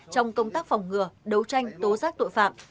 trong công tác phòng ngừa đấu tranh tố giác tội phạm